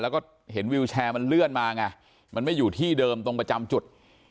แล้วก็เห็นวิวแชร์มันเลื่อนมาไงมันไม่อยู่ที่เดิมตรงประจำจุด